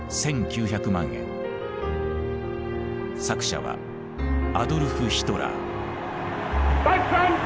作者はアドルフ・ヒトラー。